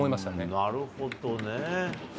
なるほどね。